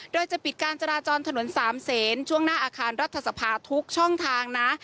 โดยจะปิดการจราจรถนนสามเศษช่วงหน้าอาคารรัฐสภาทุกช่องทางนะ